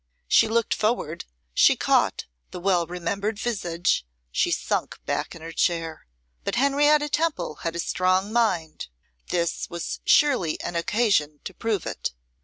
She looked forward, she caught the well remembered visage; she sunk back in her chair. But Henrietta Temple had a strong mind; this was surely an occasion to prove it. Mr.